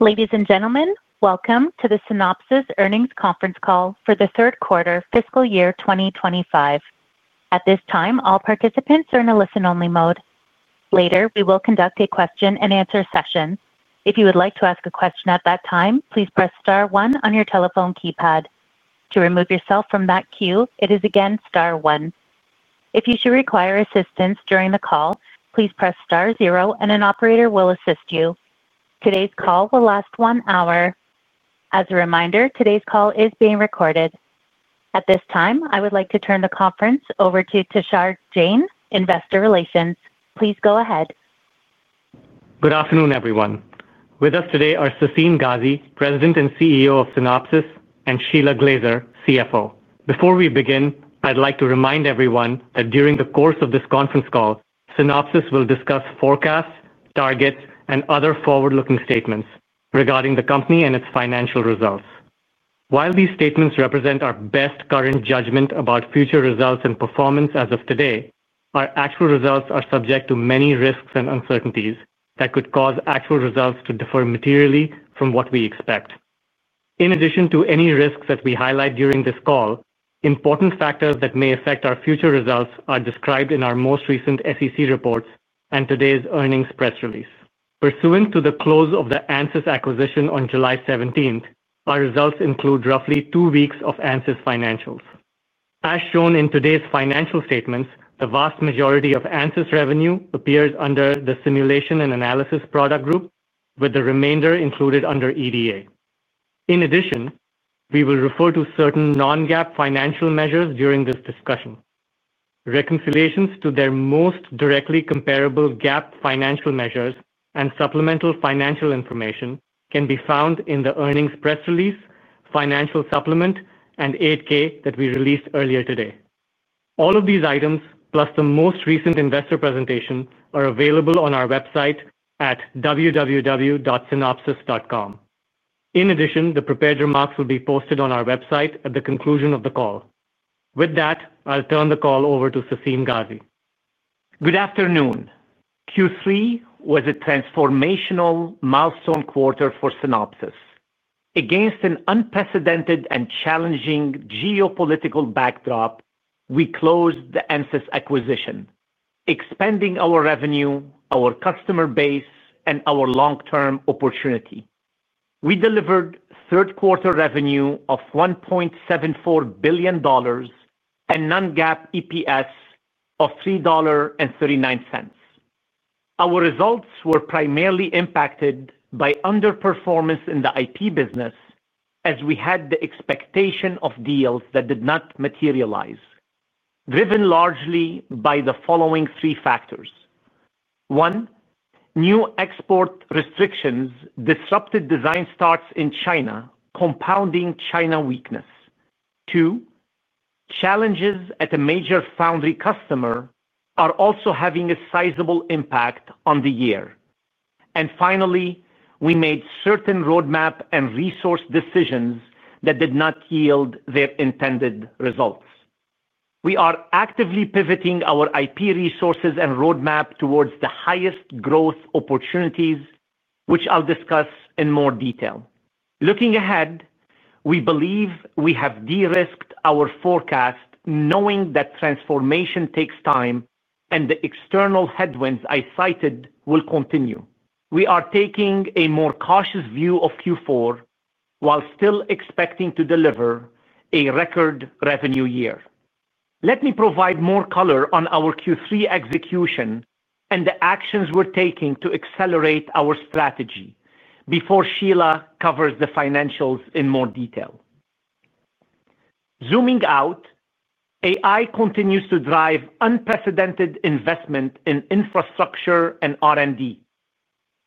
Ladies and gentlemen, welcome to the Synopsys Earnings Conference Call for the Third Quarter, Fiscal Year 2025. At this time, all participants are in a listen-only mode. Later, we will conduct a question-and-answer session. If you would like to ask a question at that time, please press star one on your telephone keypad. To remove yourself from that queue, it is again star one. If you should require assistance during the call, please press star zero and an operator will assist you. Today's call will last one hour. As a reminder, today's call is being recorded. At this time, I would like to turn the conference over to Tushar Jain, Investor Relations. Please go ahead. Good afternoon, everyone. With us today are Sassine Ghazi, President and CEO of Synopsys, and Shelagh Glaser, CFO. Before we begin, I'd like to remind everyone that during the course of this conference call, Synopsys will discuss forecasts, targets, and other forward-looking statements regarding the company and its financial results. While these statements represent our best current judgment about future results and performance as of today, our actual results are subject to many risks and uncertainties that could cause actual results to differ materially from what we expect. In addition to any risks that we highlight during this call, important factors that may affect our future results are described in our most recent SEC reports and today's earnings press release. Pursuant to the close of the Ansys acquisition on July 17, our results include roughly two weeks of Ansys financials. As shown in today's financial statements, the vast majority of Ansys revenue appears under the simulation and analysis product group, with the remainder included under EDA. In addition, we will refer to certain non-GAAP financial measures during this discussion. Reconciliations to their most directly comparable GAAP financial measures and supplemental financial information can be found in the earnings press release, financial supplement, and 8-K that we released earlier today. All of these items, plus the most recent investor presentation, are available on our website at www.synopsys.com. In addition, the prepared remarks will be posted on our website at the conclusion of the call. With that, I'll turn the call over to Sassine Ghazi. Good afternoon. Q3 was a transformational milestone quarter for Synopsys. Against an unprecedented and challenging geopolitical backdrop, we closed the Ansys acquisition, expanding our revenue, our customer base, and our long-term opportunity. We delivered third-quarter revenue of $1.74 billion and non-GAAP EPS of $3.39. Our results were primarily impacted by underperformance in the IP business, as we had the expectation of deals that did not materialize, driven largely by the following three factors. One, new export restrictions disrupted design starts in China, compounding China weakness. Two, challenges at a major foundry customer are also having a sizable impact on the year. Finally, we made certain roadmap and resource decisions that did not yield their intended results. We are actively pivoting our IP resources and roadmap towards the highest growth opportunities, which I'll discuss in more detail. Looking ahead, we believe we have de-risked our forecast, knowing that transformation takes time and the external headwinds I cited will continue. We are taking a more cautious view of Q4 while still expecting to deliver a record revenue year. Let me provide more color on our Q3 execution and the actions we're taking to accelerate our strategy before Shelagh covers the financials in more detail. Zooming out, AI continues to drive unprecedented investment in infrastructure and R&D.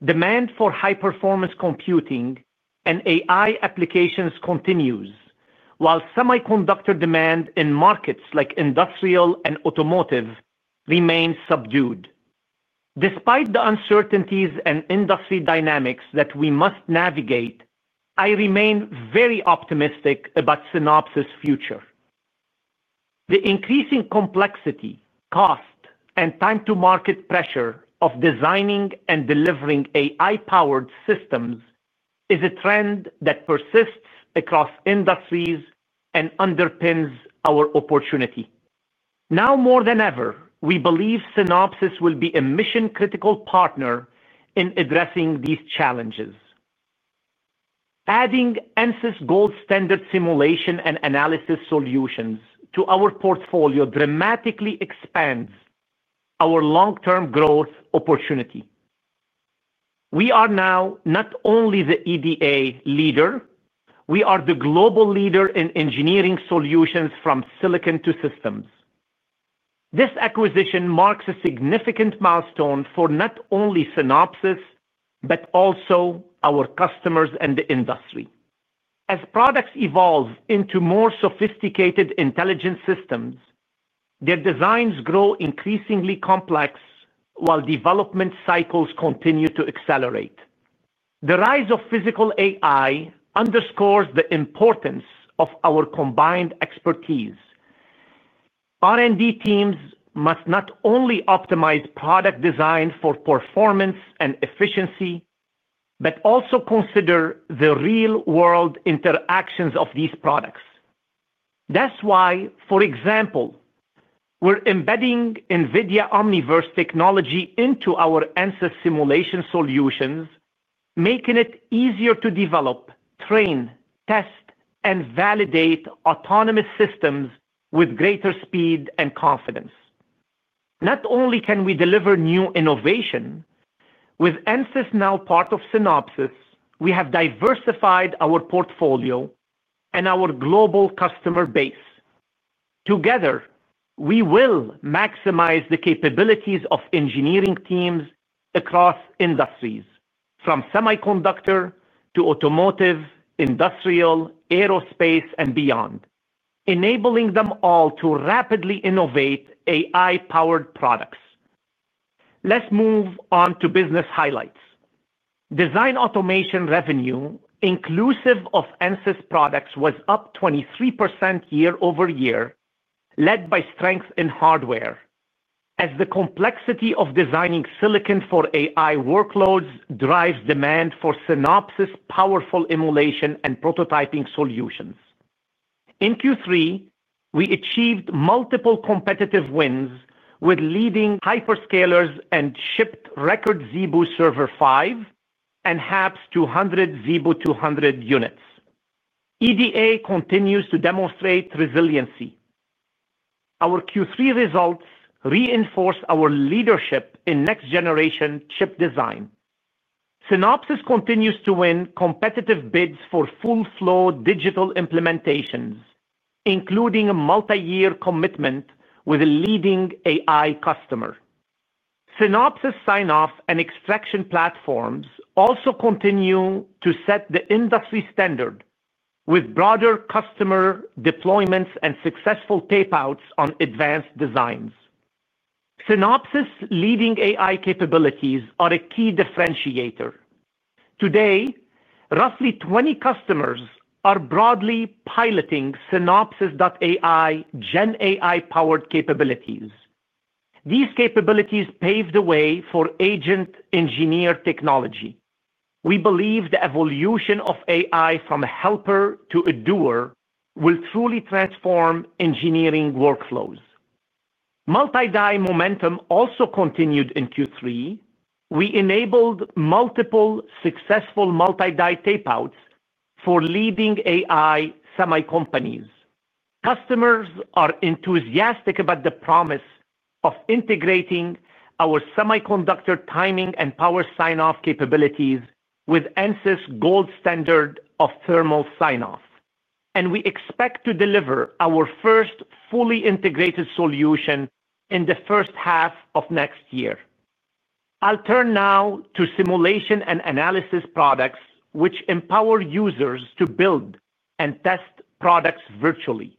Demand for high-performance computing and AI applications continues, while semiconductor demand in markets like industrial and automotive remains subdued. Despite the uncertainties and industry dynamics that we must navigate, I remain very optimistic about Synopsys' future. The increasing complexity, cost, and time-to-market pressure of designing and delivering AI-powered systems is a trend that persists across industries and underpins our opportunity. Now more than ever, we believe Synopsys will be a mission-critical partner in addressing these challenges. Adding Ansys gold standard simulation and analysis solutions to our portfolio dramatically expands our long-term growth opportunity. We are now not only the EDA leader, we are the global leader in engineering solutions from silicon to systems. This acquisition marks a significant milestone for not only Synopsys but also our customers and the industry. As products evolve into more sophisticated intelligence systems, their designs grow increasingly complex while development cycles continue to accelerate. The rise of physical AI underscores the importance of our combined expertise. R&D teams must not only optimize product design for performance and efficiency, but also consider the real-world interactions of these products. That's why, for example, we're embedding NVIDIA Omniverse technology into our Ansys simulation solutions, making it easier to develop, train, test, and validate autonomous systems with greater speed and confidence. Not only can we deliver new innovation, with Ansys now part of Synopsys, we have diversified our portfolio and our global customer base. Together, we will maximize the capabilities of engineering teams across industries, from semiconductor to automotive, industrial, aerospace, and beyond, enabling them all to rapidly innovate AI-powered products. Let's move on to business highlights. Design automation revenue, inclusive of Ansys products, was up 23% year-over-year, led by strength in hardware, as the complexity of designing silicon for AI workloads drives demand for Synopsys' powerful emulation and prototyping solutions. In Q3, we achieved multiple competitive wins with leading hyperscalers and shipped record ZeBu Server 5 and HAPS-200 ZeBu-200 units. EDA continues to demonstrate resiliency. Our Q3 results reinforce our leadership in next-generation chip design. Synopsys continues to win competitive bids for full-flow digital implementations, including a multi-year commitment with a leading AI customer. Synopsys sign-off and extraction platforms also continue to set the industry standard, with broader customer deployments and successful tapeouts on advanced designs. Synopsys' leading AI capabilities are a key differentiator. Today, roughly 20 customers are broadly piloting Synopsys.ai GenAI-powered capabilities. These capabilities pave the way for agent-engineered technology. We believe the evolution of AI from a helper to a doer will truly transform engineering workflows. Multi-die momentum also continued in Q3. We enabled multiple successful multi-die tapeouts for leading AI semicompanies. Customers are enthusiastic about the promise of integrating our semiconductor timing and power sign-off capabilities with Ansys gold standard of thermal signoff. We expect to deliver our first fully integrated solution in the first half of next year. I'll turn now to simulation and analysis products, which empower users to build and test products virtually.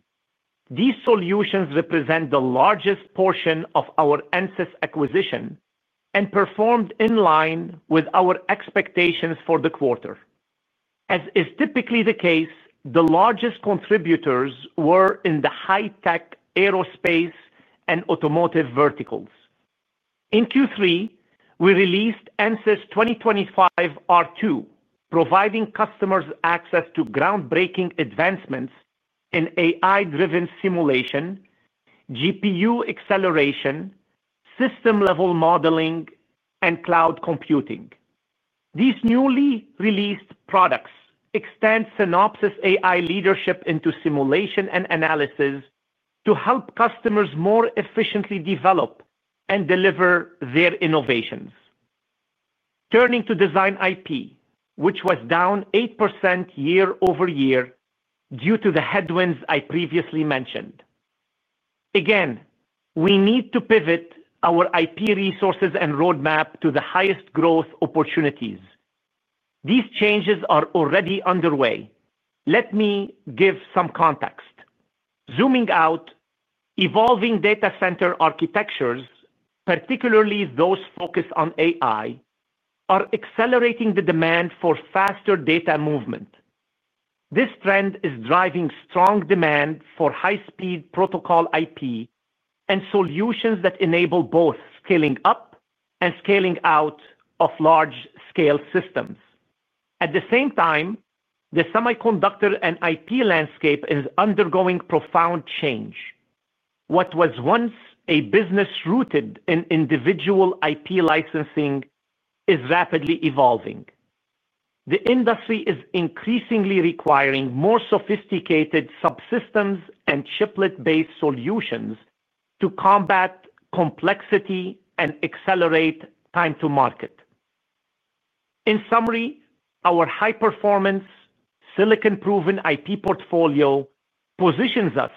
These solutions represent the largest portion of our Ansys acquisition and performed in line with our expectations for the quarter. As is typically the case, the largest contributors were in the high-tech, aerospace, and automotive verticals. In Q3, we released Ansys 2025 R2, providing customers access to groundbreaking advancements in AI-driven simulation, GPU acceleration, system-level modeling, and cloud computing. These newly released products extend Synopsys AI leadership into simulation and analysis to help customers more efficiently develop and deliver their innovations. Turning to design IP, which was down 8% year-over-year due to the headwinds I previously mentioned. Again, we need to pivot our IP resources and roadmap to the highest growth opportunities. These changes are already underway. Let me give some context. Zooming out, evolving data center architectures, particularly those focused on AI, are accelerating the demand for faster data movement. This trend is driving strong demand for high-speed protocol IP and solutions that enable both scaling up and scaling out of large-scale systems. At the same time, the semiconductor and IP landscape is undergoing profound change. What was once a business rooted in individual IP licensing is rapidly evolving. The industry is increasingly requiring more sophisticated subsystems and chiplet-based solutions to combat complexity and accelerate time-to-market. In summary, our high-performance, silicon-proven IP portfolio positions us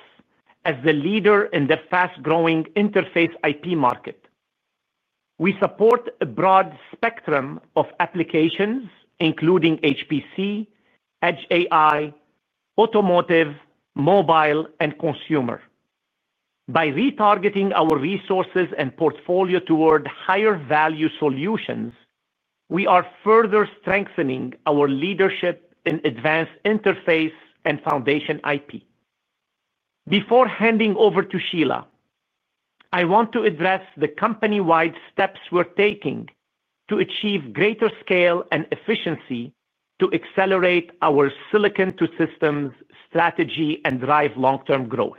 as the leader in the fast-growing Interface IP market. We support a broad spectrum of applications, including HPC, Edge AI, automotive, mobile, and consumer. By retargeting our resources and portfolio toward higher-value solutions, we are further strengthening our leadership in advanced interface and Foundation IP. Before handing over to Shelagh, I want to address the company-wide steps we're taking to achieve greater scale and efficiency to accelerate our silicon-to-systems strategy and drive long-term growth.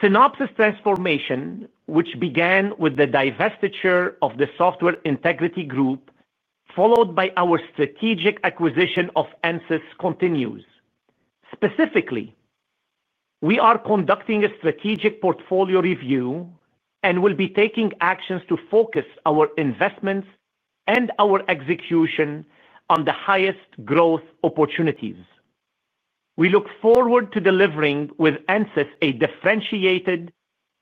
Synopsys transformation, which began with the divestiture of the Software Integrity Group, followed by our strategic acquisition of Ansys, continues. Specifically, we are conducting a strategic portfolio review and will be taking actions to focus our investments and our execution on the highest growth opportunities. We look forward to delivering with Ansys a differentiated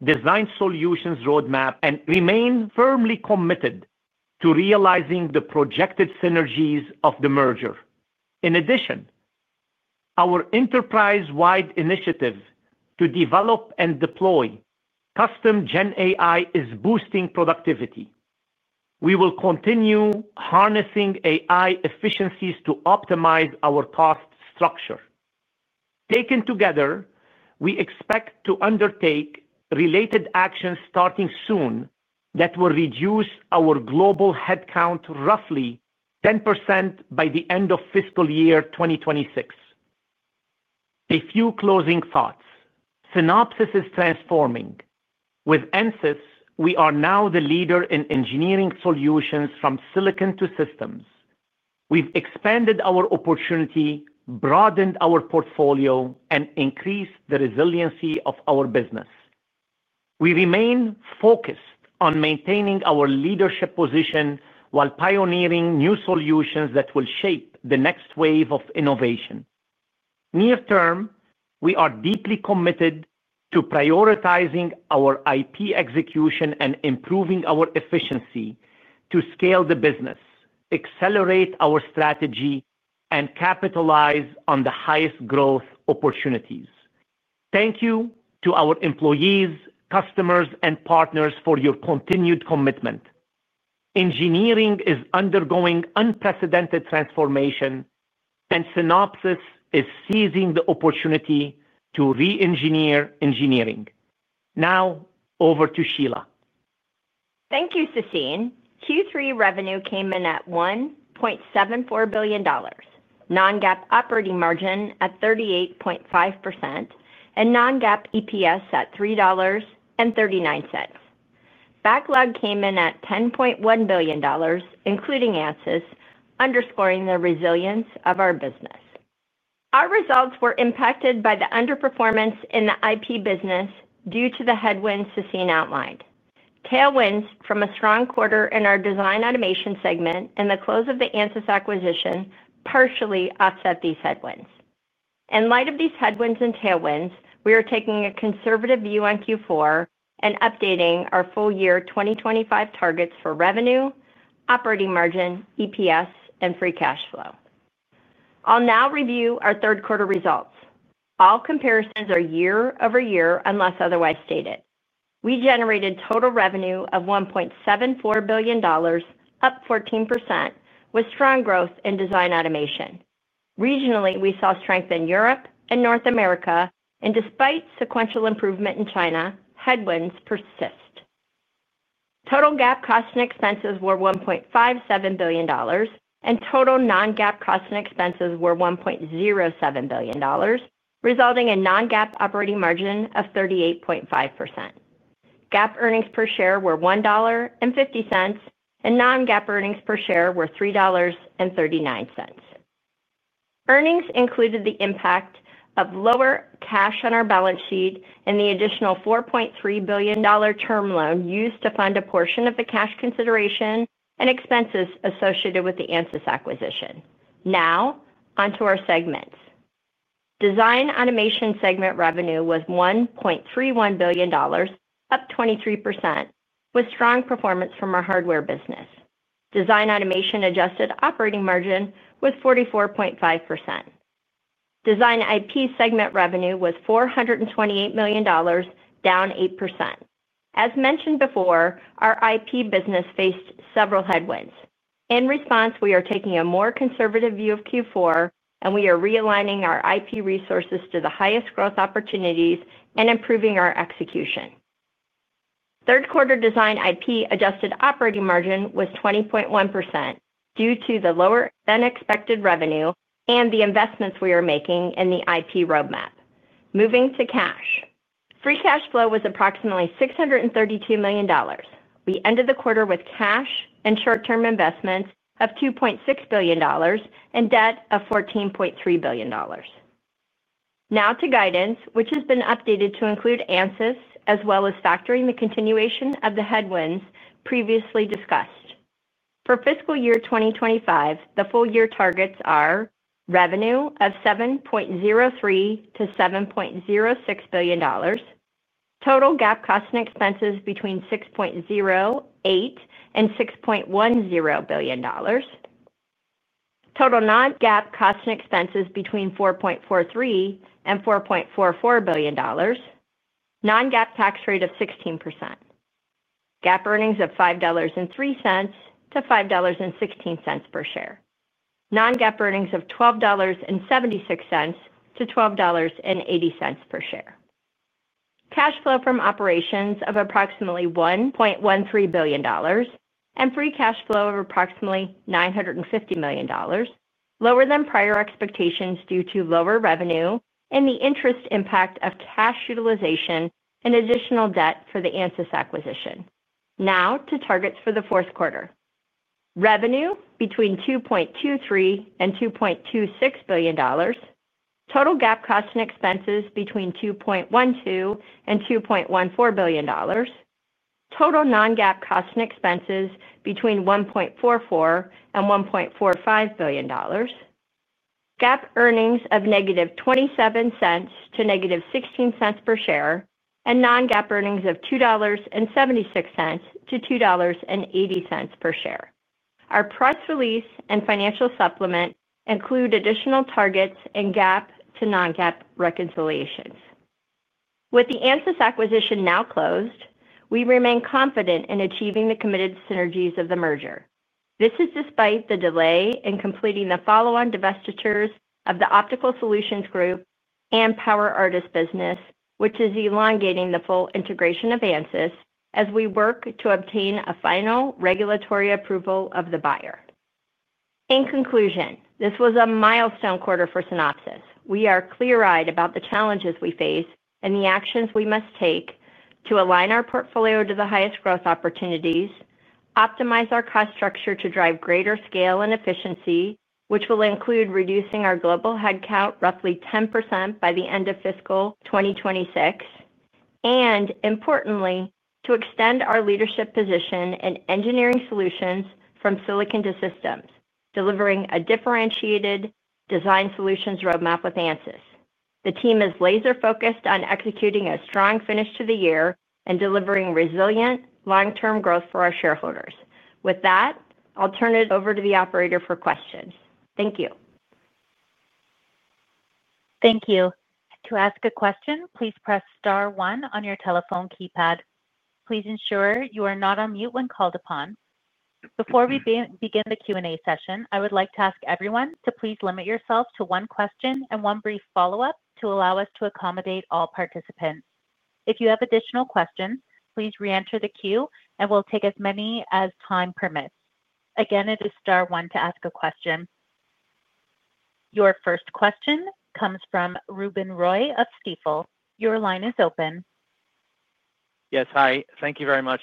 design solutions roadmap and remain firmly committed to realizing the projected synergies of the merger. In addition, our enterprise-wide initiative to develop and deploy custom GenAI is boosting productivity. We will continue harnessing AI efficiencies to optimize our cost structure. Taken together, we expect to undertake related actions starting soon that will reduce our global headcount roughly 10% by the end of fiscal year 2026. A few closing thoughts. Synopsys is transforming. With Ansys, we are now the leader in engineering solutions from silicon to systems. We've expanded our opportunity, broadened our portfolio, and increased the resiliency of our business. We remain focused on maintaining our leadership position while pioneering new solutions that will shape the next wave of innovation. Near-term, we are deeply committed to prioritizing our IP execution and improving our efficiency to scale the business, accelerate our strategy, and capitalize on the highest growth opportunities. Thank you to our employees, customers, and partners for your continued commitment. Engineering is undergoing unprecedented transformation, and Synopsys is seizing the opportunity to re-engineer engineering. Now, over to Shelagh. Thank you, Sassine. Q3 revenue came in at $1.74 billion, non-GAAP operating margin at 38.5%, and non-GAAP EPS at $3.39. Backlog came in at $10.1 billion, including Ansys, underscoring the resilience of our business. Our results were impacted by the underperformance in the IP business due to the headwinds Sassine outlined. Tailwinds from a strong quarter in our design automation segment and the close of the Ansys acquisition partially offset these headwinds. In light of these headwinds and tailwinds, we are taking a conservative view on Q4 and updating our full-year 2025 targets for revenue, operating margin, EPS, and free cash flow. I'll now review our third-quarter results. All comparisons are year over year unless otherwise stated. We generated total revenue of $1.74 billion, up 14%, with strong growth in design automation. Regionally, we saw strength in Europe and North America, and despite sequential improvement in China, headwinds persist. Total GAAP costs and expenses were $1.57 billion, and total non-GAAP costs and expenses were $1.07 billion, resulting in a non-GAAP operating margin of 38.5%. GAAP earnings per share were $1.50, and non-GAAP earnings per share were $3.39. Earnings included the impact of lower cash on our balance sheet and the additional $4.3 billion term loan used to fund a portion of the cash consideration and expenses associated with the Ansys acquisition. Now, onto our segments. Design automation segment revenue was $1.31 billion, up 23%, with strong performance from our hardware business. Design automation adjusted operating margin was 44.5%. Design IP segment revenue was $428 million, down 8%. As mentioned before, our IP business faced several headwinds. In response, we are taking a more conservative view of Q4, and we are realigning our IP resources to the highest growth opportunities and improving our execution. Third-quarter design IP adjusted operating margin was 20.1% due to the lower-than-expected revenue and the investments we are making in the IP roadmap. Moving to cash. Free cash flow was approximately $632 million. We ended the quarter with cash and short-term investments of $2.6 billion and debt of $14.3 billion. Now to guidance, which has been updated to include Ansys as well as factoring the continuation of the headwinds previously discussed. For fiscal year 2025, the full-year targets are revenue of $7.03 billion-$7.06 billion, total GAAP costs and expenses between $6.08 billion and $6.10 billion, total non-GAAP costs and expenses between $4.43 billion and $4.44 billion, non-GAAP tax rate of 16%, GAAP earnings of $5.03 to $5.16 per share, non-GAAP earnings of $12.76-$12.80 per share, cash flow from operations of approximately $1.13 billion, and free cash flow of approximately $950 million, lower than prior expectations due to lower revenue and the interest impact of cash utilization and additional debt for the Ansys acquisition. Now to targets for the fourth quarter. Revenue between $2.23 billion and $2.26 billion, total GAAP costs and expenses between $2.12 billion and $2.14 billion, total non-GAAP costs and expenses between $1.44 billion and $1.45 billion, GAAP earnings of -$0.27 to -$0.16 per share, and non-GAAP earnings of $2.76-$2.80 per share. Our press release and financial supplement include additional targets and GAAP to non-GAAP reconciliations. With the Ansys acquisition now closed, we remain confident in achieving the committed synergies of the merger. This is despite the delay in completing the follow-on divestitures of the Optical Solutions Group and PowerArtist business, which is elongating the full integration of Ansys as we work to obtain a final regulatory approval of the buyer. In conclusion, this was a milestone quarter for Synopsys. We are clear-eyed about the challenges we face and the actions we must take to align our portfolio to the highest growth opportunities, optimize our cost structure to drive greater scale and efficiency, which will include reducing our global headcount roughly 10% by the end of fiscal 2026, and importantly, to extend our leadership position in engineering solutions from silicon to systems, delivering a differentiated design solutions roadmap with Ansys. The team is laser-focused on executing a strong finish to the year and delivering resilient long-term growth for our shareholders. With that, I'll turn it over to the operator for questions. Thank you. Thank you. To ask a question, please press star one on your telephone keypad. Please ensure you are not on mute when called upon. Before we begin the Q&A session, I would like to ask everyone to please limit yourself to one question and one brief follow-up to allow us to accommodate all participants. If you have additional questions, please re-enter the queue, and we'll take as many as time permits. Again, it is star one to ask a question. Your first question comes from Ruben Roy of Stifel. Your line is open. Yes, hi. Thank you very much.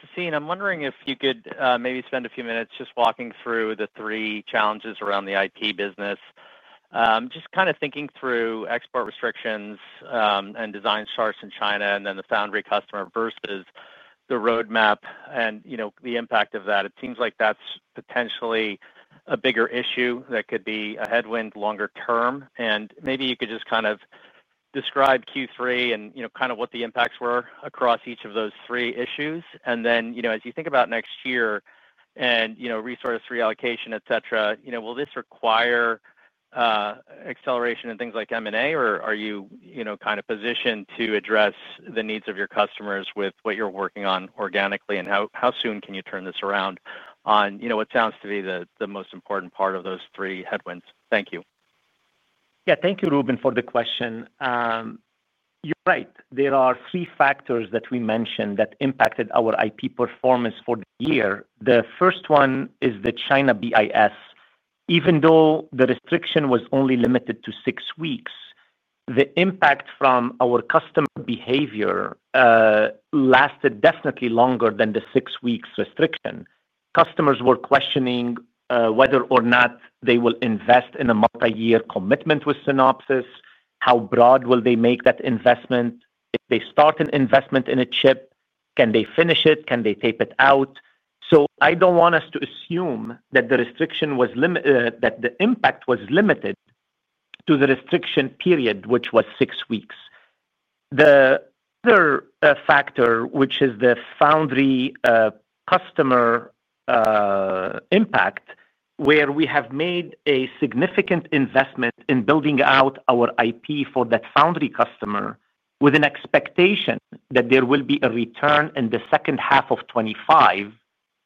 Sassine, I'm wondering if you could maybe spend a few minutes just walking through the three challenges around the IP business. Just kind of thinking through export restrictions and design starts in China, and then the foundry customer versus the roadmap and the impact of that. It seems like that's potentially a bigger issue that could be a headwind longer term. Maybe you could just kind of describe Q3 and what the impacts were across each of those three issues. As you think about next year and resource reallocation, et cetera, will this require acceleration in things like M&A, or are you kind of positioned to address the needs of your customers with what you're working on organically? How soon can you turn this around on what sounds to be the most important part of those three headwinds? Thank you. Yeah, thank you, Ruben, for the question. You're right. There are three factors that we mentioned that impacted our IP performance for the year. The first one is the China BIS. Even though the restriction was only limited to six weeks, the impact from our customer behavior lasted definitely longer than the six weeks restriction. Customers were questioning whether or not they will invest in a multi-year commitment with Synopsys. How broad will they make that investment? If they start an investment in a chip, can they finish it? Can they tape it out? I don't want us to assume that the restriction was limited, that the impact was limited to the restriction period, which was six weeks. The other factor, which is the foundry customer impact, where we have made a significant investment in building out our IP for that foundry customer with an expectation that there will be a return in the second half of 2025,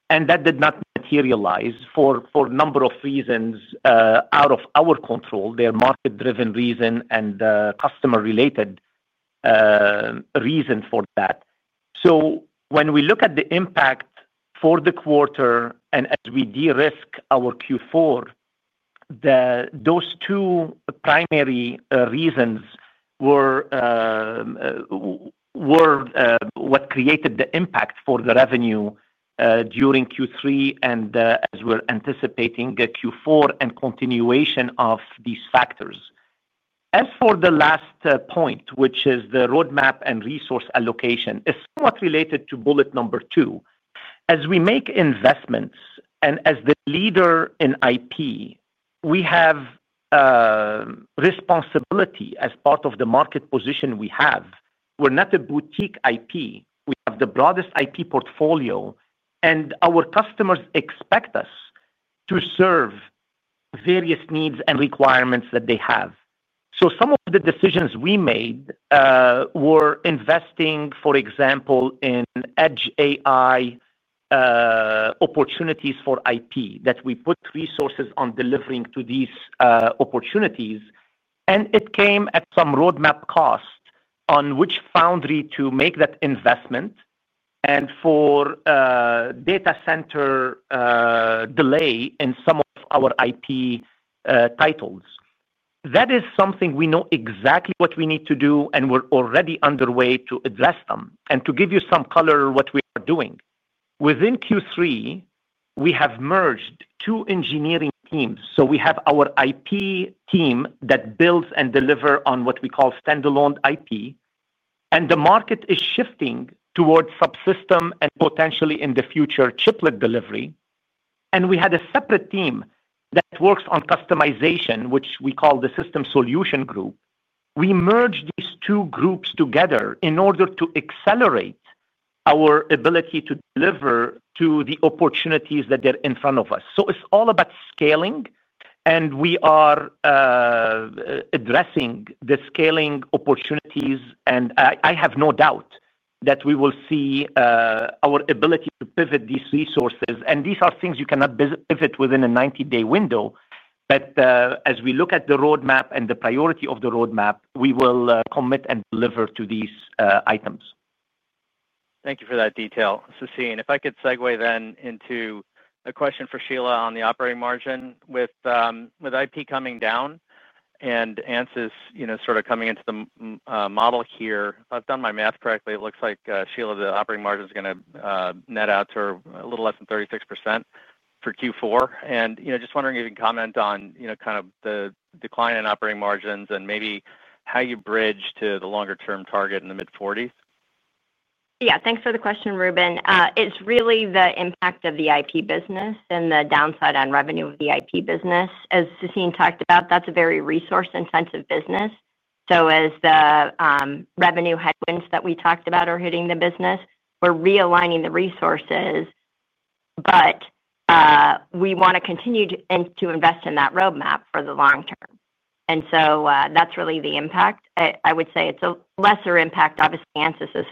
and that did not materialize for a number of reasons out of our control, their market-driven reason and customer-related reason for that. When we look at the impact for the quarter and as we de-risk our Q4, those two primary reasons were what created the impact for the revenue during Q3 and as we're anticipating Q4 and continuation of these factors. As for the last point, which is the roadmap/resource allocation, it's somewhat related to bullet number two. As we make investments and as the leader in IP, we have responsibility as part of the market position we have. We're not a boutique IP. We have the broadest IP portfolio, and our customers expect us to serve various needs and requirements that they have. Some of the decisions we made were investing, for example, in edge AI opportunities for IP that we put resources on delivering to these opportunities. It came at some roadmap cost on which foundry to make that investment and for data center delay in some of our IP titles. That is something we know exactly what we need to do, and we're already underway to address them. To give you some color on what we are doing, within Q3, we have merged two engineering teams. We have our IP team that builds and delivers on what we call standalone IP. The market is shifting towards subsystem and potentially in the future chiplet delivery. We had a separate team that works on customization, which we call the system solution group. We merged these two groups together in order to accelerate our ability to deliver to the opportunities that are in front of us. It is all about scaling, and we are addressing the scaling opportunities. I have no doubt that we will see our ability to pivot these resources. These are things you cannot pivot within a 90-day window. As we look at the roadmap and the priority of the roadmap, we will commit and deliver to these items. Thank you for that detail. Sassine, if I could segue then into a question for Shelagh on the operating margin with IP coming down and Ansys sort of coming into the model here. If I've done my math correctly, it looks like Shelagh, the operating margin is going to net out to a little less than 36% for Q4. I'm just wondering if you can comment on the decline in operating margins and maybe how you bridge to the longer-term target in the mid-40%. Yeah, thanks for the question, Ruben. It's really the impact of the IP business and the downside on revenue of the IP business. As Sassine talked about, that's a very resource-intensive business. As the revenue headwinds that we talked about are hitting the business, we're realigning the resources, but we want to continue to invest in that roadmap for the long term. That's really the impact. I would say it's a lesser impact. Obviously, Ansys is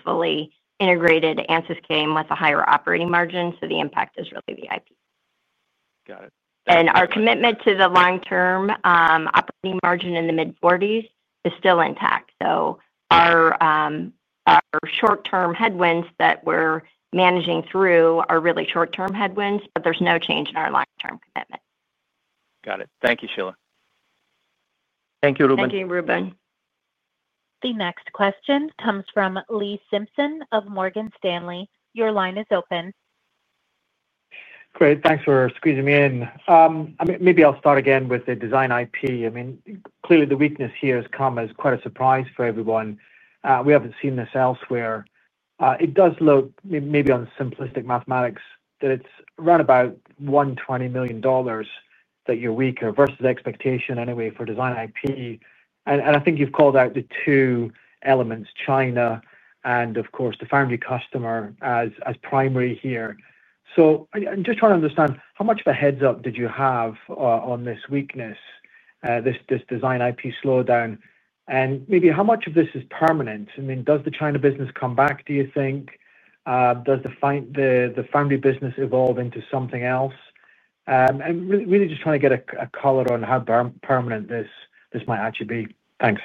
fully integrated. Ansys came with a higher operating margin, so the impact is really the IP. Got it. Our commitment to the long-term operating margin in the mid-40% is still intact. The short-term headwinds that we're managing through are really short-term headwinds, but there's no change in our long-term commitment. Got it. Thank you, Shelagh. Thank you, Ruben. Thank you, Ruben. The next question comes from Lee Simpson of Morgan Stanley. Your line is open. Great. Thanks for squeezing me in. Maybe I'll start again with the design IP. Clearly, the weakness here has come as quite a surprise for everyone. We haven't seen this elsewhere. It does look, maybe on simplistic mathematics, that it's around about $120 million that you're weaker versus expectation anyway for design IP. I think you've called out the two elements, China and, of course, the foundry customer as primary here. I'm just trying to understand how much of a heads-up did you have on this weakness, this design IP slowdown, and maybe how much of this is permanent. Does the China business come back, do you think? Does the foundry business evolve into something else? I'm really just trying to get a color on how permanent this might actually be. Thanks.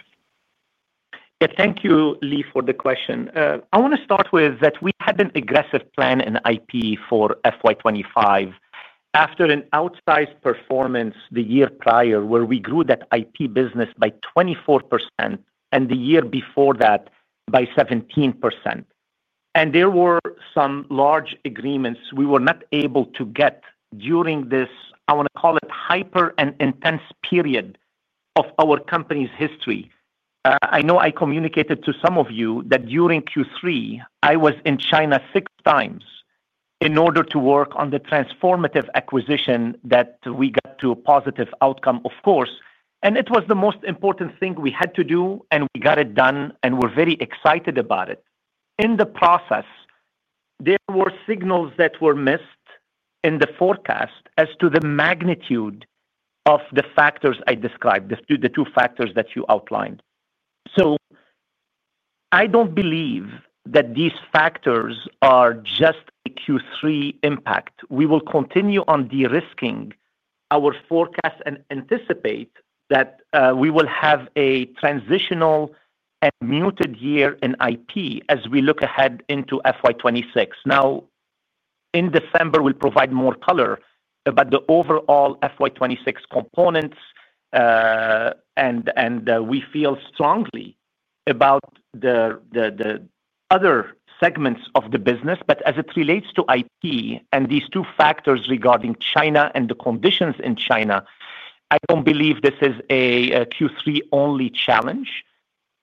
Yeah, thank you, Lee, for the question. I want to start with that we had an aggressive plan in IP for FY 2025 after an outsized performance the year prior where we grew that IP business by 24% and the year before that by 17%. There were some large agreements we were not able to get during this, I want to call it, hyper-intense period of our company's history. I know I communicated to some of you that during Q3, I was in China 6x in order to work on the transformative acquisition that we got to a positive outcome, of course. It was the most important thing we had to do, and we got it done, and we're very excited about it. In the process, there were signals that were missed in the forecast as to the magnitude of the factors I described, the two factors that you outlined. I don't believe that these factors are just Q3 impact. We will continue on de-risking our forecast and anticipate that we will have a transitional and muted year in IP as we look ahead into FY 2026. In December, we'll provide more color about the overall FY 2026 components, and we feel strongly about the other segments of the business. As it relates to IP and these two factors regarding China and the conditions in China, I don't believe this is a Q3-only challenge.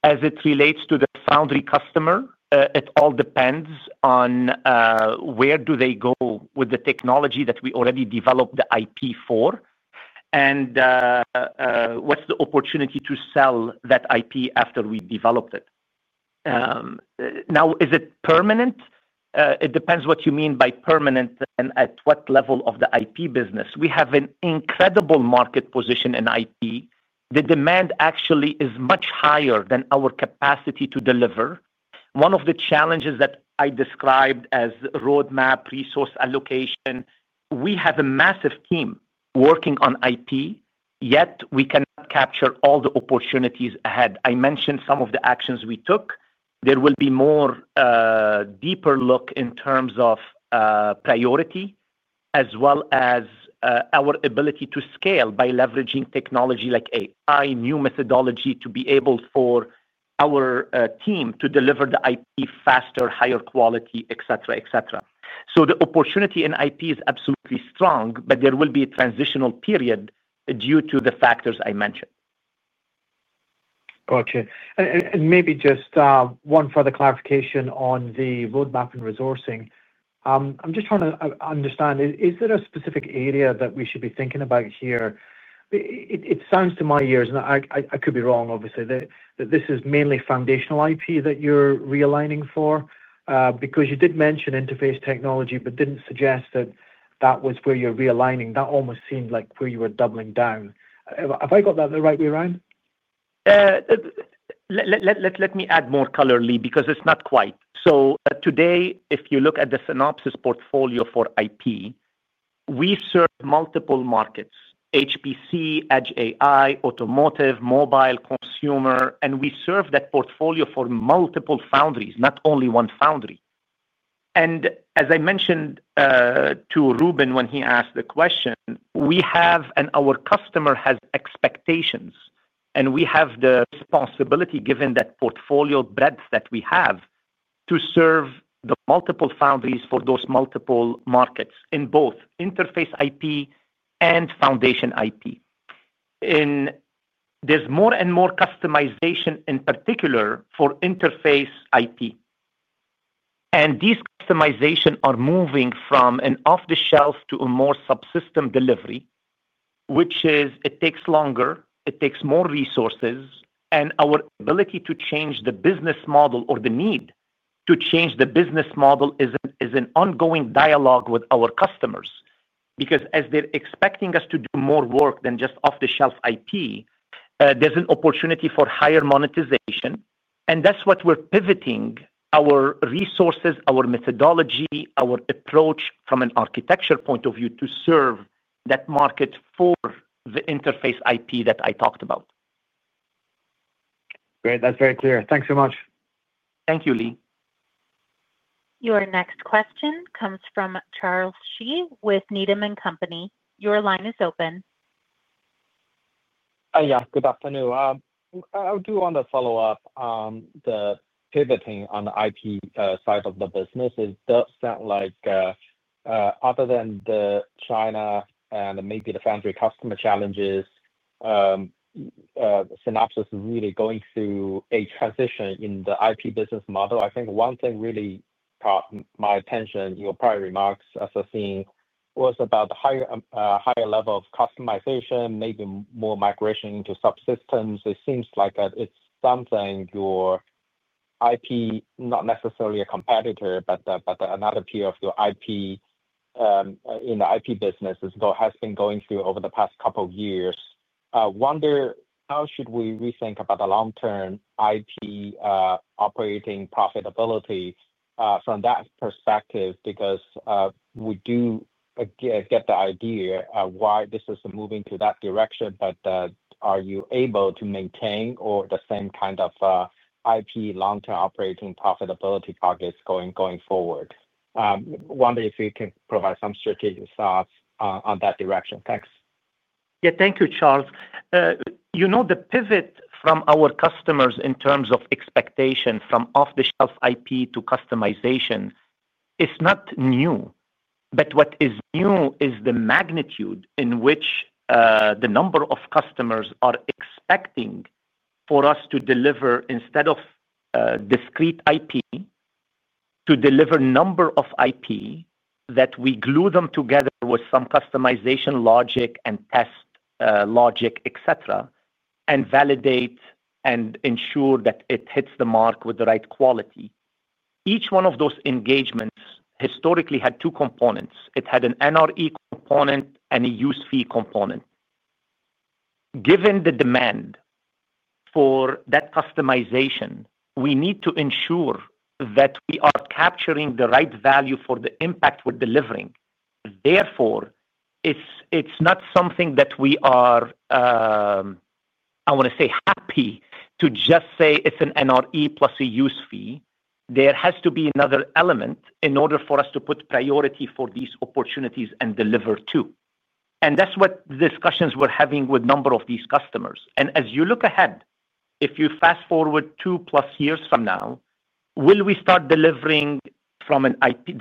As it relates to the foundry customer, it all depends on where do they go with the technology that we already developed the IP for and what's the opportunity to sell that IP after we developed it. Now, is it permanent? It depends what you mean by permanent and at what level of the IP business. We have an incredible market position in IP. The demand actually is much higher than our capacity to deliver. One of the challenges that I described as roadmap/resource allocation, we have a massive team working on IP, yet we cannot capture all the opportunities ahead. I mentioned some of the actions we took. There will be a deeper look in terms of priority as well as our ability to scale by leveraging technology like AI, new methodology to be able for our team to deliver the IP faster, higher quality, et cetera, et cetera. The opportunity in IP is absolutely strong, but there will be a transitional period due to the factors I mentioned. Okay. Maybe just one further clarification on the roadmap and resourcing. I'm just trying to understand, is there a specific area that we should be thinking about here? It sounds to my ears, and I could be wrong, obviously, that this is mainly foundational IP that you're realigning for because you did mention interface technology but didn't suggest that that was where you're realigning. That almost seemed like where you were doubling down. Have I got that the right way around? Let me add more color, Lee, because it's not quite. Today, if you look at the Synopsys portfolio for IP, we serve multiple markets: HPC, Edge AI, automotive, mobile, consumer, and we serve that portfolio for multiple foundries, not only one foundry. As I mentioned to Ruben when he asked the question, we have and our customer has expectations, and we have the responsibility, given that portfolio breadth that we have, to serve the multiple foundries for those multiple markets in both Interface IP and Foundation IP. There's more and more customization, in particular for Interface IP. These customizations are moving from an off-the-shelf to a more subsystem delivery, which takes longer, it takes more resources, and our ability to change the business model or the need to change the business model is an ongoing dialogue with our customers because as they're expecting us to do more work than just off-the-shelf IP, there's an opportunity for higher monetization. That's what we're pivoting our resources, our methodology, our approach from an architecture point of view to serve that market for the Interface IP that I talked about. Great. That's very clear. Thanks so much. Thank you, Lee. Your next question comes from Charles Shi with Needham & Company. Your line is open. Yeah, good afternoon. I do want to follow up on the pivoting on the IP side of the business. It does sound like, other than the China and maybe the foundry customer challenges, Synopsys is really going through a transition in the IP business model. I think one thing really caught my attention, your prior remarks, Sassine, was about the higher level of customization, maybe more migration into subsystems. It seems like it's something your IP, not necessarily a competitor, but another peer of your IP in the IP business has been going through over the past couple of years. I wonder how should we rethink about the long-term IP operating profitability from that perspective because we do get the idea of why this is moving to that direction, but are you able to maintain or the same kind of IP long-term operating profitability targets going forward? I wonder if you can provide some strategic thoughts on that direction. Thanks. Yeah, thank you, Charles. You know, the pivot from our customers in terms of expectation from off-the-shelf IP to customization is not new. What is new is the magnitude in which the number of customers are expecting for us to deliver, instead of discrete IP, to deliver a number of IP that we glue together with some customization logic and test logic, et cetera, and validate and ensure that it hits the mark with the right quality. Each one of those engagements historically had two components. It had an NRE component and a use fee component. Given the demand for that customization, we need to ensure that we are capturing the right value for the impact we're delivering. Therefore, it's not something that we are happy to just say it's an NRE plus a use fee. There has to be another element in order for us to put priority for these opportunities and deliver too. That's what discussions we're having with a number of these customers. As you look ahead, if you fast forward two-plus years from now, will we start delivering from a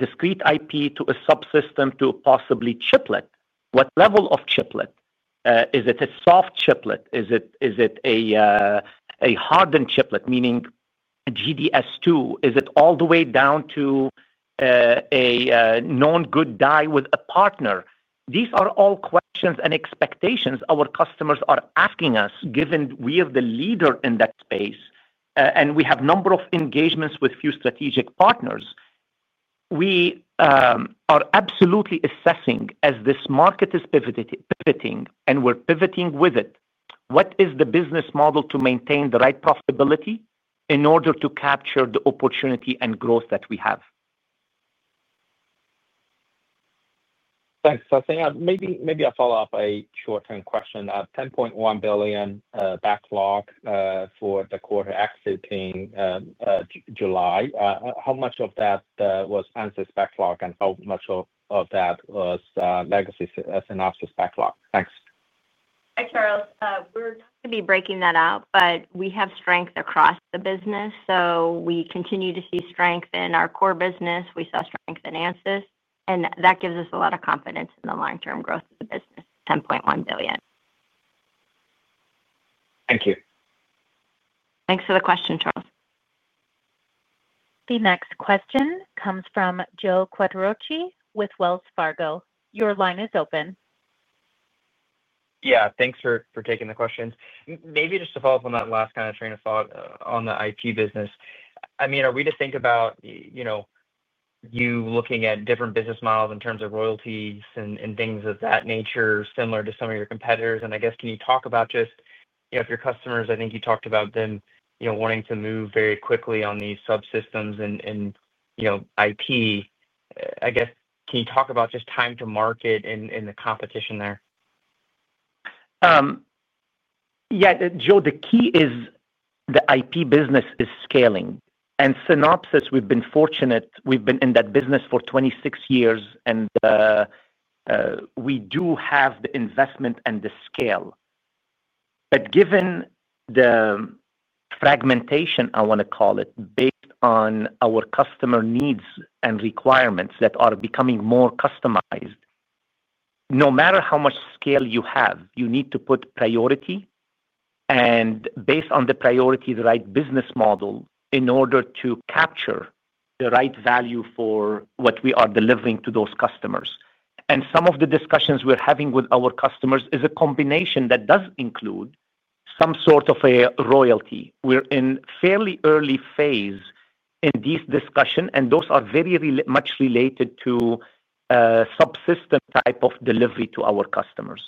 discrete IP to a subsystem to possibly chiplet? What level of chiplet? Is it a soft chiplet? Is it a hardened chiplet, meaning a GDS2? Is it all the way down to a known good die with a partner? These are all questions and expectations our customers are asking us, given we are the leader in that space and we have a number of engagements with a few strategic partners. We are absolutely assessing as this market is pivoting and we're pivoting with it. What is the business model to maintain the right profitability in order to capture the opportunity and growth that we have? Thanks, Sassine. Maybe I'll follow up a short-term question. $10.1 billion backlog for the quarter exit in July. How much of that was Ansys backlog, and how much of that was legacy Synopsys backlog? Thanks. Hi, Charles. We're going to be breaking that up, but we have strength across the business. We continue to see strength in our core business. We saw strength in Ansys, and that gives us a lot of confidence in the long-term growth of the business, $10.1 billion. Thank you. Thanks for the question, Charles. The next question comes from Joe Quatrochi with Wells Fargo. Your line is open. Yeah, thanks for taking the questions. Maybe just to follow up on that last kind of train of thought on the IP business. I mean, are we to think about you looking at different business models in terms of royalties and things of that nature, similar to some of your competitors? I guess, can you talk about just, you know, if your customers, I think you talked about them, you know, wanting to move very quickly on these subsystems and, you know, IP, I guess, can you talk about just time to market and the competition there? Yeah, Joe, the key is the IP business is scaling. At Synopsys, we've been fortunate. We've been in that business for 26 years, and we do have the investment and the scale. Given the fragmentation, I want to call it, based on our customer needs and requirements that are becoming more customized, no matter how much scale you have, you need to put priority. Based on the priority, the right business model in order to capture the right value for what we are delivering to those customers. Some of the discussions we're having with our customers is a combination that does include some sort of a royalty. We're in a fairly early phase in these discussions, and those are very much related to a subsystem type of delivery to our customers.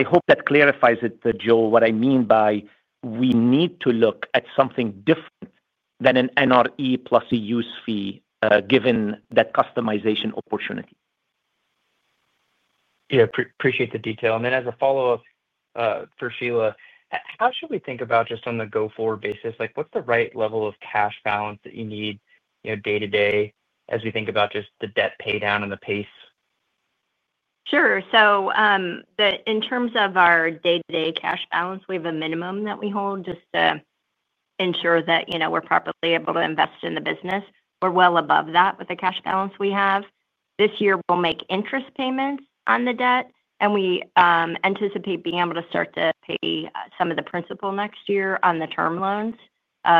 I hope that clarifies it, Joe, what I mean by we need to look at something different than an NRE plus a use fee given that customization opportunity. Yeah, appreciate the detail. As a follow-up for Shelagh, how should we think about just on the go-forward basis? What's the right level of cash balance that you need day-to-day as we think about just the debt paydown and the pace? Sure. In terms of our day-to-day cash balance, we have a minimum that we hold just to ensure that we're properly able to invest in the business. We're well above that with the cash balance we have. This year, we'll make interest payments on the debt, and we anticipate being able to start to pay some of the principal next year on the term loans.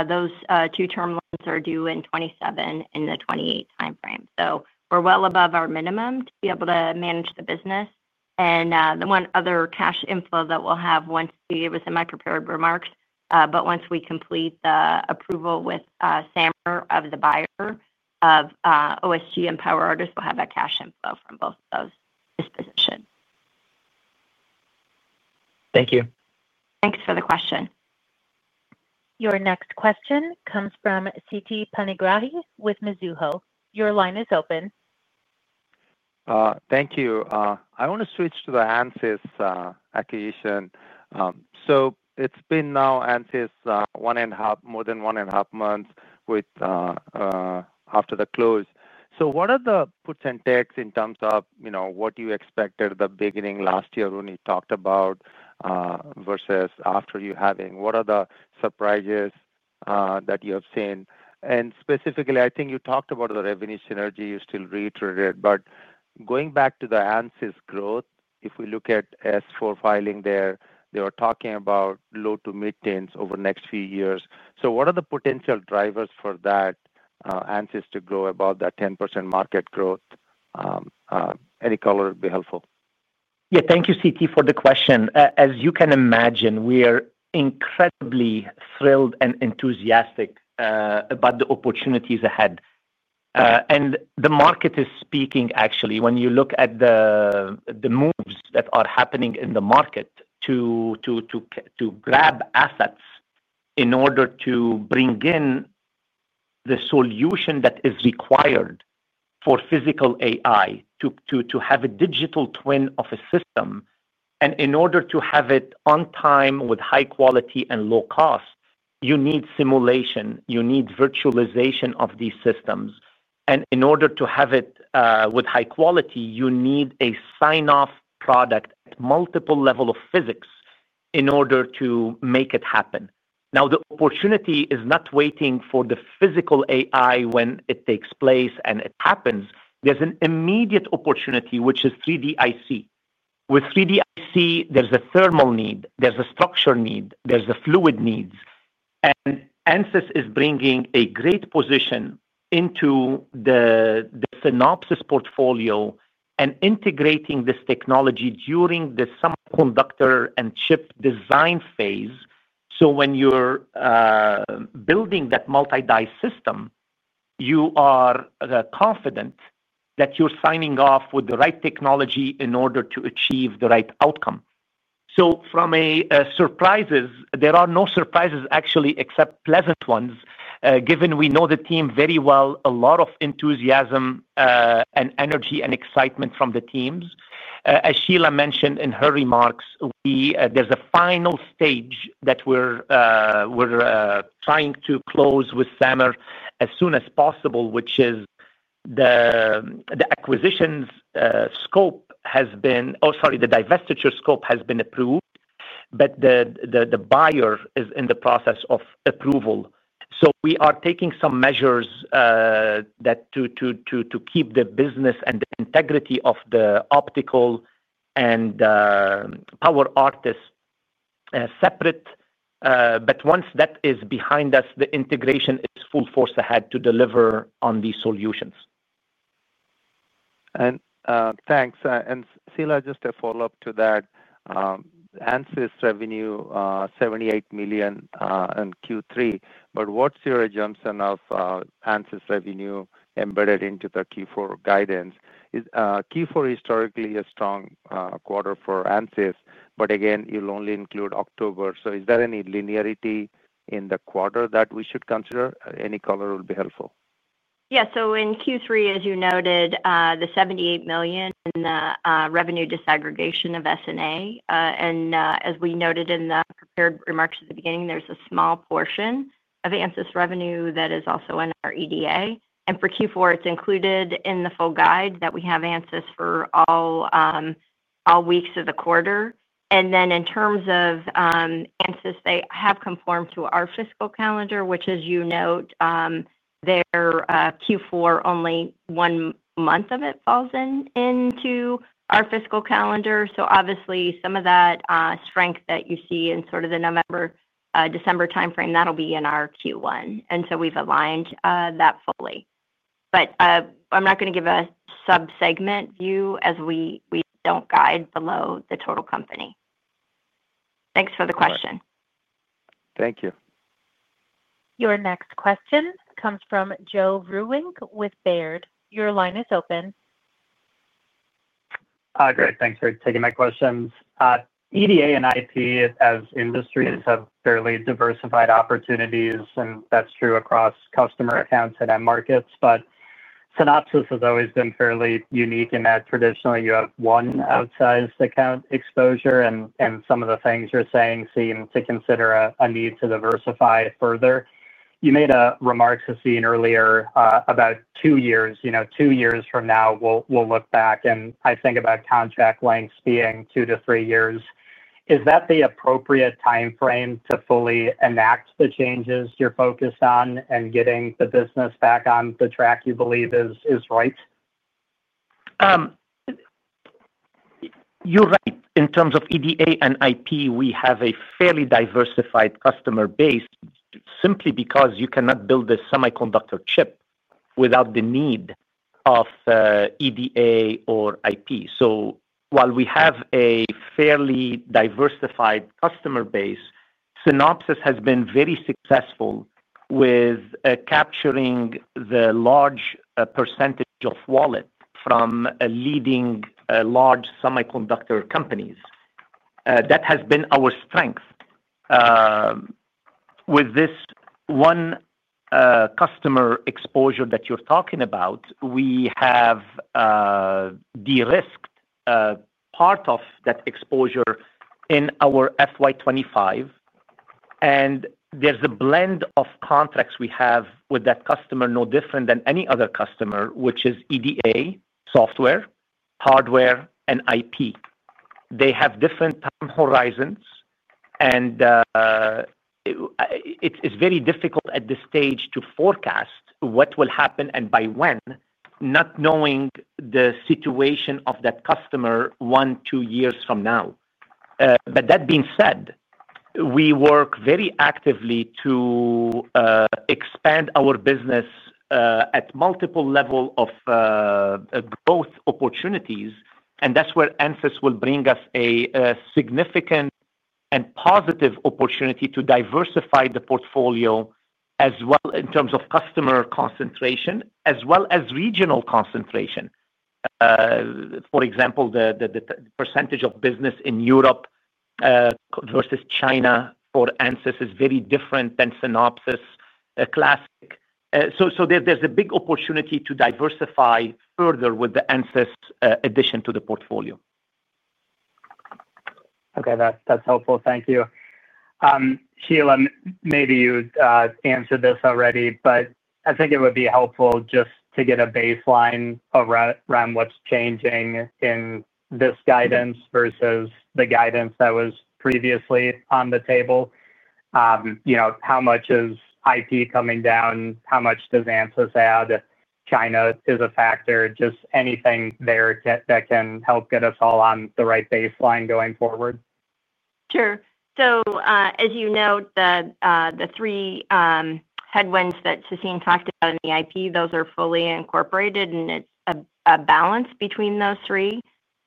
Those two term loans are due in 2027 in the 2028 timeframe. We're well above our minimum to be able to manage the business. The one other cash inflow that we'll have, as I gave in my prepared remarks, is that once we complete the approval with SAMR of the buyer of Optical Solutions Group and PowerArtist, we'll have that cash inflow from both of those dispositions. Thank you. Thanks for the question. Your next question comes from Siti Panigrahi with Mizuho. Your line is open. Thank you. I want to switch to the Ansys acquisition. It's been now Ansys one and a half, more than one and a half months after the close. What are the puts and takes in terms of what you expected at the beginning last year when you talked about versus after you having? What are the surprises that you have seen? Specifically, I think you talked about the revenue synergy you still reiterated. Going back to the Ansys growth, if we look at S4 filing there, they were talking about low to mid-teens over the next few years. What are the potential drivers for that Ansys to grow above that 10% market growth? Any color would be helpful. Yeah, thank you, Siti, for the question. As you can imagine, we are incredibly thrilled and enthusiastic about the opportunities ahead. The market is speaking, actually, when you look at the moves that are happening in the market to grab assets in order to bring in the solution that is required for physical AI to have a digital twin of a system. In order to have it on time with high quality and low cost, you need simulation. You need virtualization of these systems. In order to have it with high quality, you need a sign-off product at multiple levels of physics in order to make it happen. The opportunity is not waiting for the physical AI when it takes place and it happens. There's an immediate opportunity, which is 3D-IC. With 3D-IC, there's a thermal need, there's a structure need, there's a fluid need, and Ansys is bringing a great position into the Synopsys portfolio and integrating this technology during the semiconductor and chip design phase. When you're building that multi-die system, you are confident that you're signing off with the right technology in order to achieve the right outcome. From surprises, there are no surprises, actually, except pleasant ones, given we know the team very well, a lot of enthusiasm and energy and excitement from the teams. As Shelagh mentioned in her remarks, there's a final stage that we're trying to close with SAMR as soon as possible, which is the acquisition's scope has been, oh, sorry, the divestiture scope has been approved, but the buyer is in the process of approval. We are taking some measures to keep the business and the integrity of the Optical Solutions Group and PowerArtist separate. Once that is behind us, the integration is full force ahead to deliver on these solutions. Thank you. Shelagh, just a follow-up to that. Ansys revenue was $78 million in Q3, but what's your assumption of Ansys revenue embedded into the Q4 guidance? Q4 historically is a strong quarter for Ansys, but you'll only include October. Is there any linearity in the quarter that we should consider? Any color would be helpful. Yeah, so in Q3, as you noted, the $78 million in the revenue desegregation of S&A. As we noted in the prepared remarks at the beginning, there's a small portion of Ansys revenue that is also in our EDA. For Q4, it's included in the full guide that we have Ansys for all weeks of the quarter. In terms of Ansys, they have conformed to our fiscal calendar, which, as you note, their Q4, only one month of it falls into our fiscal calendar. Obviously, some of that strength that you see in sort of the November-December timeframe, that'll be in our Q1. We've aligned that fully. I'm not going to give a subsegment view as we don't guide below the total company. Thanks for the question. Thank you. Your next question comes from Joe Vruwink with Baird. Your line is open. Great. Thanks for taking my questions. EDA and IP, as industries, have fairly diversified opportunities, and that's true across customer accounts and markets. Synopsys has always been fairly unique in that traditionally you have one outsized account exposure, and some of the things you're saying seem to consider a need to diversify further. You made a remark, Sassine, earlier about two years. Two years from now, we'll look back, and I think about contract lengths being two to three years. Is that the appropriate timeframe to fully enact the changes you're focused on and getting the business back on the track you believe is right? You're right. In terms of EDA and IP, we have a fairly diversified customer base simply because you cannot build a semiconductor chip without the need of EDA or IP. While we have a fairly diversified customer base, Synopsys has been very successful with capturing the large percentage of wallet from leading large semiconductor companies. That has been our strength. With this one customer exposure that you're talking about, we have de-risked part of that exposure in our FY 2025. There's a blend of contracts we have with that customer, no different than any other customer, which is EDA, software, hardware, and IP. They have different time horizons, and it's very difficult at this stage to forecast what will happen and by when, not knowing the situation of that customer one, two years from now. That being said, we work very actively to expand our business at multiple levels of growth opportunities, and that's where Ansys will bring us a significant and positive opportunity to diversify the portfolio as well in terms of customer concentration as well as regional concentration. For example, the percentage of business in Europe versus China for Ansys is very different than Synopsys classic. There's a big opportunity to diversify further with the Ansys addition to the portfolio. Okay, that's helpful. Thank you. Shelagh, maybe you answered this already, but I think it would be helpful just to get a baseline around what's changing in this guidance versus the guidance that was previously on the table. You know, how much is IP coming down? How much does Ansys add? China is a factor. Just anything there that can help get us all on the right baseline going forward. Sure. As you know, the three headwinds that Sassine talked about in the IP, those are fully incorporated, and it's a balance between those three,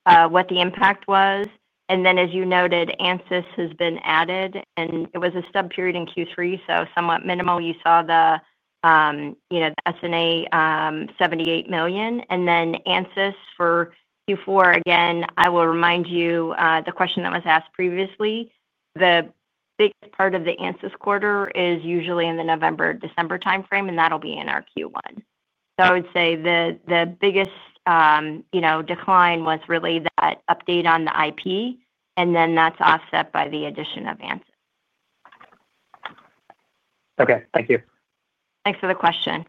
what the impact was. As you noted, Ansys has been added, and it was a stub period in Q3, so somewhat minimal. You saw the S&A $78 million. Ansys for Q4, again, I will remind you the question that was asked previously. The big part of the Ansys quarter is usually in the November-December timeframe, and that'll be in our Q1. I would say the biggest decline was really that update on the IP, and then that's offset by the addition of Ansys. Okay, thank you. Thanks for the question.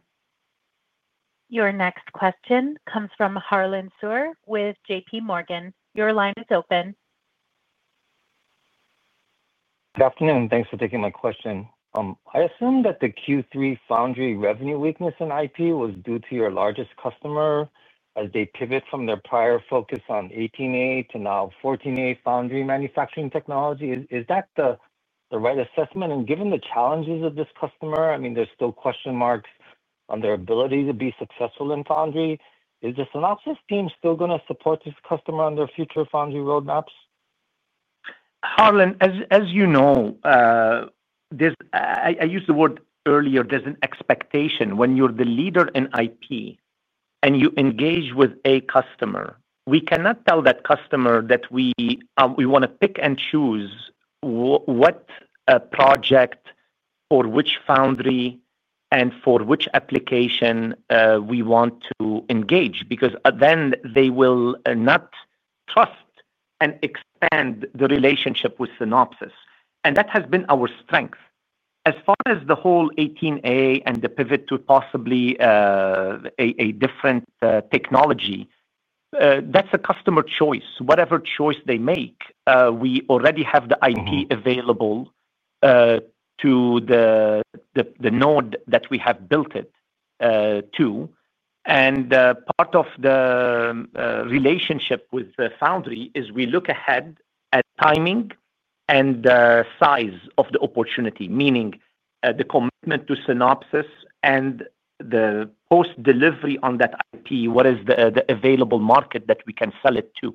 Your next question comes from Harlan Sur with JPMorgan. Your line is open. Good afternoon. Thanks for taking my question. I assume that the Q3 foundry revenue weakness in IP was due to your largest customer as they pivot from their prior focus on 18A to now 14A foundry manufacturing technology. Is that the right assessment? Given the challenges of this customer, I mean, there's still question marks on their ability to be successful in foundry. Is the Synopsys team still going to support this customer on their future foundry roadmaps? Harlan, as you know, I used the word earlier, there's an expectation when you're the leader in IP and you engage with a customer. We cannot tell that customer that we want to pick and choose what project for which foundry and for which application we want to engage, because then they will not trust and expand the relationship with Synopsys. That has been our strength. As far as the whole 18A and the pivot to possibly a different technology, that's a customer choice. Whatever choice they make, we already have the IP available to the node that we have built it to. Part of the relationship with the foundry is we look ahead at timing and the size of the opportunity, meaning the commitment to Synopsys and the post-delivery on that IP, what is the available market that we can sell it to.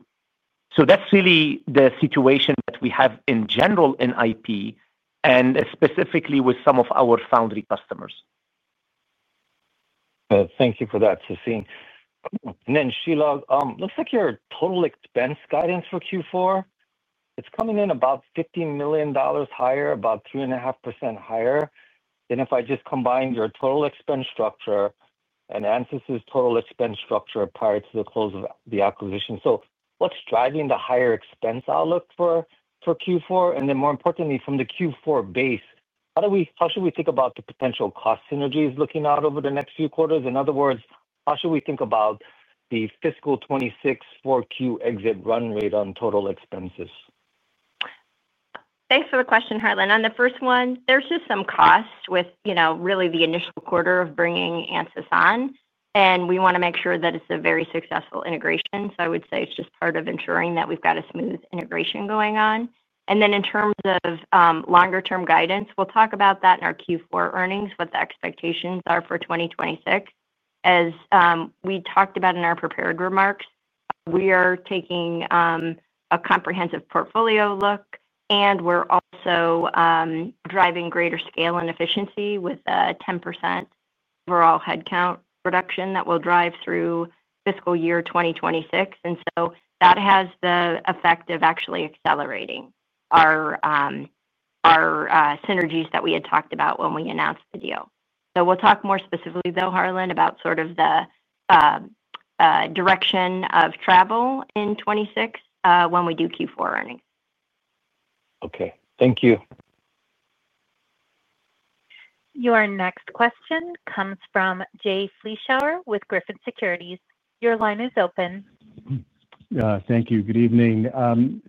That's really the situation that we have in general in IP and specifically with some of our foundry customers. Thank you for that, Sassine. Shelagh, it looks like your total expense guidance for Q4 is coming in about $50 million higher, about 3.5% higher than if I just combined your total expense structure and Ansys's total expense structure prior to the close of the acquisition. What's driving the higher expense outlook for Q4? More importantly, from the Q4 base, how should we think about the potential cost synergies looking out over the next few quarters? In other words, how should we think about the fiscal 2026 4Q exit run rate on total expenses? Thanks for the question, Harlan. On the first one, there's just some cost with really the initial quarter of bringing Ansys on, and we want to make sure that it's a very successful integration. I would say it's just part of ensuring that we've got a smooth integration going on. In terms of longer-term guidance, we'll talk about that in our Q4 earnings, what the expectations are for 2026. As we talked about in our prepared remarks, we are taking a comprehensive portfolio look, and we're also driving greater scale and efficiency with a 10% overall headcount reduction that we'll drive through fiscal year 2026. That has the effect of actually accelerating our synergies that we had talked about when we announced the deal. We'll talk more specifically, though, Harlan, about sort of the direction of travel in 2026 when we do Q4 earnings. Okay, thank you. Your next question comes from Jay Vleeschhouwer with Griffin Securities. Your line is open. Thank you. Good evening.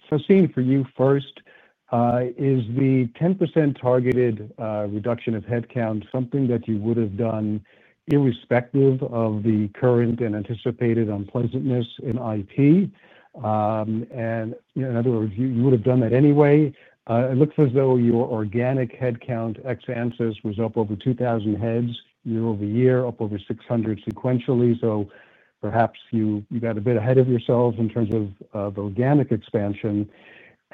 Sassine, for you first, is the 10% targeted reduction of headcount something that you would have done irrespective of the current and anticipated unpleasantness in IP? In other words, you would have done that anyway. It looks as though your organic headcount ex-Ansys was up over 2,000 heads year-over-year, up over 600 sequentially. Perhaps you got a bit ahead of yourselves in terms of organic expansion.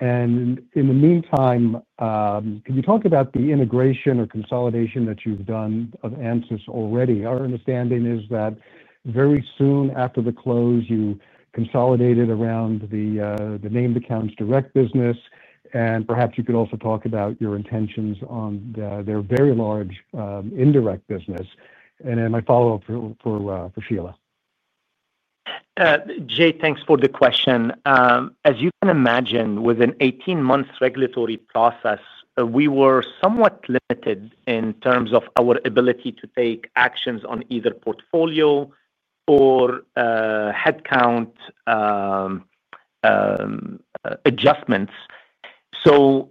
In the meantime, can you talk about the integration or consolidation that you've done of Ansys already? Our understanding is that very soon after the close, you consolidated around the named accounts direct business, and perhaps you could also talk about your intentions on their very large indirect business. My follow-up for Shelagh. Jay, thanks for the question. As you can imagine, with an 18-month regulatory process, we were somewhat limited in terms of our ability to take actions on either portfolio or headcount adjustments. The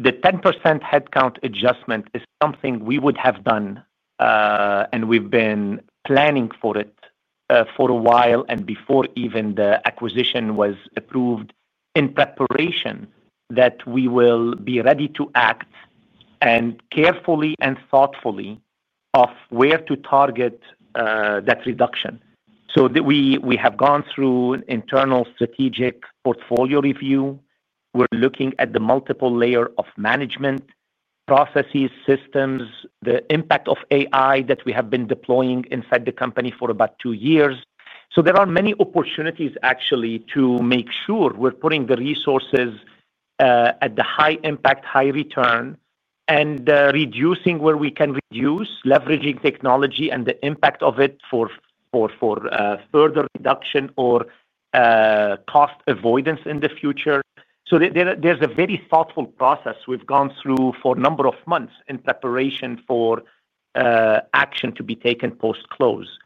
10% headcount adjustment is something we would have done, and we've been planning for it for a while and before even the acquisition was approved in preparation that we will be ready to act carefully and thoughtfully on where to target that reduction. We have gone through internal strategic portfolio review. We're looking at the multiple layers of management, processes, systems, the impact of AI that we have been deploying inside the company for about two years. There are many opportunities, actually, to make sure we're putting the resources at the high impact, high return, and reducing where we can reduce, leveraging technology and the impact of it for further reduction or cost avoidance in the future. There's a very thoughtful process we've gone through for a number of months in preparation for action to be taken post-close.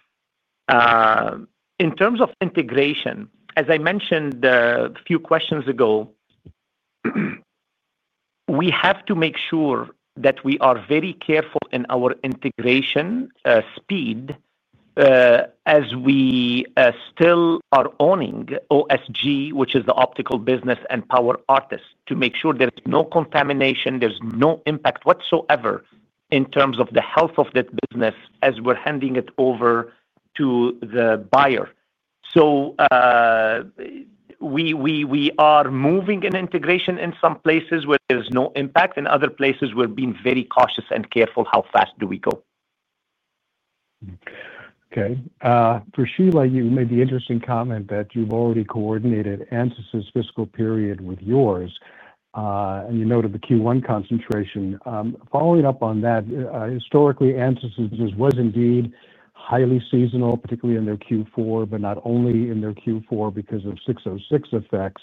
In terms of integration, as I mentioned a few questions ago, we have to make sure that we are very careful in our integration speed as we still are owning OSG, which is the optical business, and PowerArtist, to make sure there's no contamination, there's no impact whatsoever in terms of the health of that business as we're handing it over to the buyer. We are moving in integration in some places where there's no impact, and other places we're being very cautious and careful how fast do we go. Okay. For Shelagh, you made the interesting comment that you've already coordinated Ansys's fiscal period with yours, and you noted the Q1 concentration. Following up on that, historically, Ansys was indeed highly seasonal, particularly in their Q4, but not only in their Q4 because of 606 effects.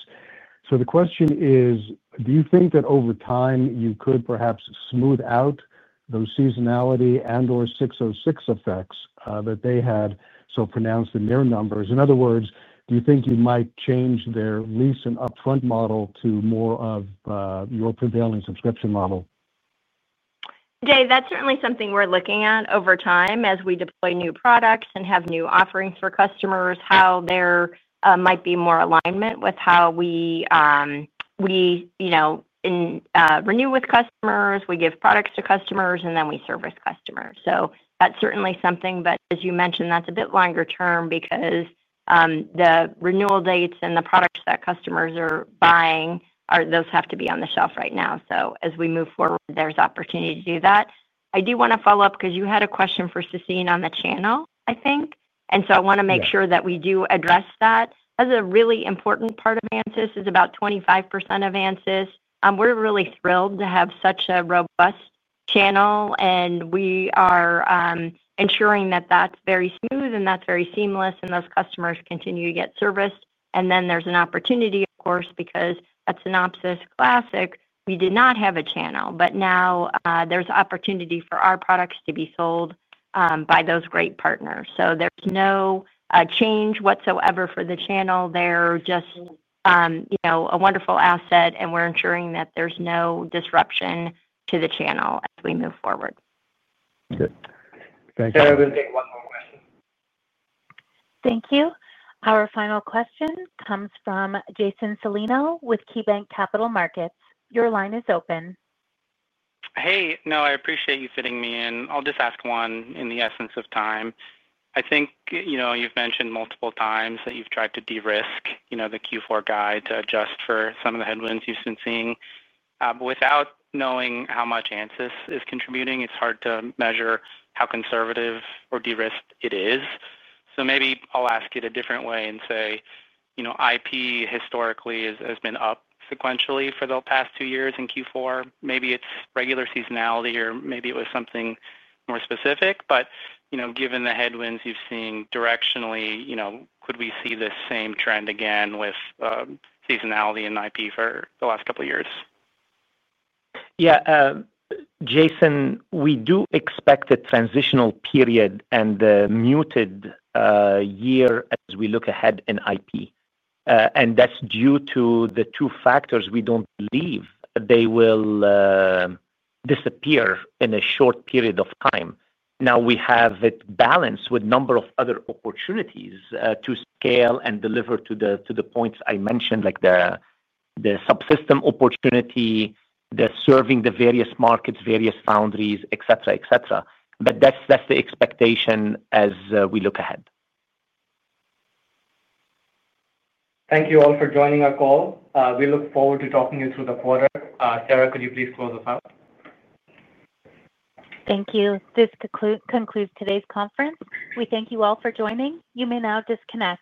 The question is, do you think that over time you could perhaps smooth out those seasonality and/or 606 effects that they had so pronounced in their numbers? In other words, do you think you might change their lease and upfront model to more of your prevailing subscription model? Jay, that's certainly something we're looking at over time as we deploy new products and have new offerings for customers, how there might be more alignment with how we renew with customers, we give products to customers, and then we service customers. That's certainly something, but as you mentioned, that's a bit longer term because the renewal dates and the products that customers are buying, those have to be on the shelf right now. As we move forward, there's opportunity to do that. I do want to follow up because you had a question for Sassine on the channel, I think. I want to make sure that we do address that. That's a really important part of Ansys. It's about 25% of Ansys. We're really thrilled to have such a robust channel, and we are ensuring that that's very smooth and that's very seamless and those customers continue to get serviced. There's an opportunity, of course, because at Synopsys Classic, we did not have a channel, but now there's opportunity for our products to be sold by those great partners. There's no change whatsoever for the channel. They're just a wonderful asset, and we're ensuring that there's no disruption to the channel as we move forward. Okay. Thanks. Sorry, I was going to take one more question. Thank you. Our final question comes from Jason Celino with KeyBanc Capital Markets. Your line is open. No, I appreciate you fitting me in. I'll just ask one in the essence of time. I think you've mentioned multiple times that you've tried to de-risk the Q4 guide to adjust for some of the headwinds you've been seeing. Without knowing how much Ansys is contributing, it's hard to measure how conservative or de-risked it is. Maybe I'll ask it a different way and say, you know, IP historically has been up sequentially for the past two years in Q4. Maybe it's regular seasonality or maybe it was something more specific. Given the headwinds you've seen directionally, you know, could we see this same trend again with seasonality in IP for the last couple of years? Yeah, Jason, we do expect a transitional period and a muted year as we look ahead in IP. That's due to the two factors. We don't believe that they will disappear in a short period of time. Now we have it balanced with a number of other opportunities to scale and deliver to the points I mentioned, like the subsystem opportunity, serving the various markets, various foundries, et cetera, et cetera. That's the expectation as we look ahead. Thank you all for joining our call. We look forward to talking you through the quarter. Sarah, could you please close us out? Thank you. This concludes today's conference. We thank you all for joining. You may now disconnect.